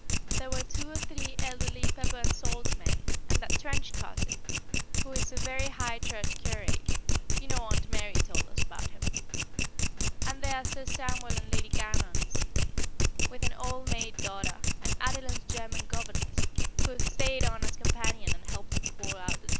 There were two or three elderly pepper and salt men, and that Trench cousin, who is a very High Church curate (you know Aunt Mary told us about him), and there are a Sir Samuel and Lady Garnons, with an old maid daughter, and Adeline's German governess, who has stayed on as companion, and helped to pour out the tea.